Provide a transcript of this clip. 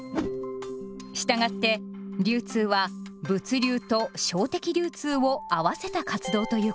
したがって流通は物流と商的流通を合わせた活動ということです。